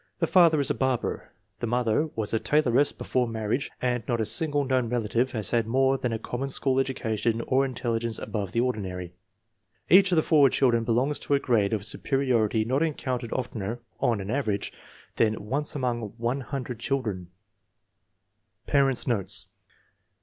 The father is a barber, the mother was a tailoress before marriage, and not a single known relative has had more than a common school education or intelligence above the ordinary. Each of the four children belongs to a grade FORTY ONE SUPERIOR CHILDREN 209 of superiority not encountered of tener, on an average, than once among one hundred children. Parents 9 notes.